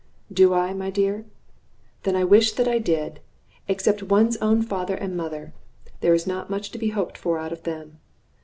"Do I, my dear? Then I wish that I did. Except one's own father and mother, there is not much to be hoped for out of them.